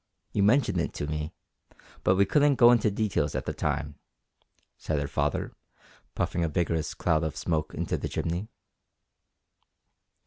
You mentioned it to me, but we couldn't go into details at the time," said her father, puffing a vigorous cloud of smoke into the chimney.